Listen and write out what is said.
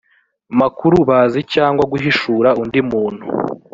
makuru bazi cyangwa guhishurira undi muntu